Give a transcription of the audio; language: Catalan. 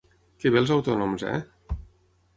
Que bé els autònoms, eh?